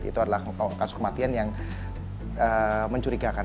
itu adalah kasus kematian yang mencurigakan